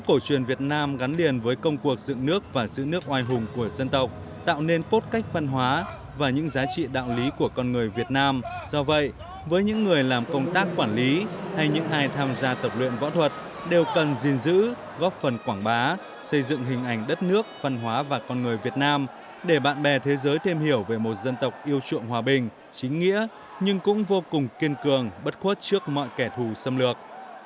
võ cổ truyền việt nam gắn liền với công cuộc dựng nước và giữ nước oai hùng của dân tộc tạo nên cốt cách văn hóa và những giá trị đạo lý của con người việt nam do vậy với những người làm công tác quản lý hay những ai tham gia tập luyện võ thuật đều cần gìn giữ góp phần quảng bá xây dựng hình ảnh đất nước văn hóa và con người việt nam để bạn bè thế giới thêm hiểu về một dân tộc yêu chuộng hòa bình chính nghĩa nhưng cũng vô cùng kiên cường bất khuất trước mọi kẻ thù xâm lược